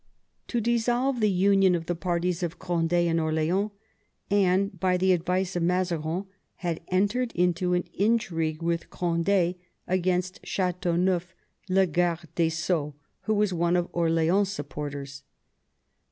To dissolve the union of the parties of Cond^ and Orleans, Anne, by the advice of Mazarin, had entered into an intrigue with Cond^ against Ch^teauneuf, le garde des sceaux, who was one of Orleans' supporters.